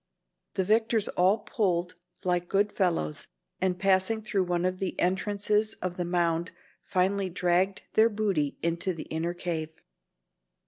The victors all pulled like good fellows and passing through one of the entrances of the mound finally dragged their booty into the inner cave.